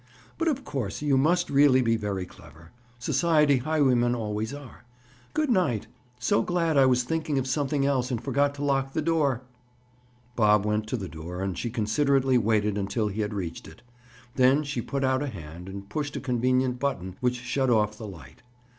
But, of course, you must really be very clever. Society highwaymen always are. Good night. So glad I was thinking of something else and forgot to lock the door!" Bob went to the door and she considerately waited until he had reached it; then she put out a hand and pushed a convenient button which shut off the light.